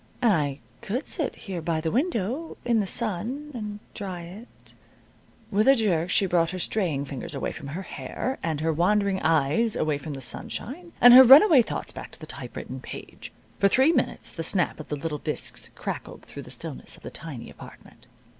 And I could sit here by the window in the sun and dry it " With a jerk she brought her straying fingers away from her hair, and her wandering eyes away from the sunshine, and her runaway thoughts back to the typewritten page. For three minutes the snap of the little disks crackled through the stillness of the tiny apartment.